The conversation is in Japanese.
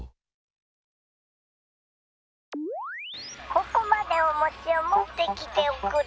ここまでおもちを持ってきておくれ。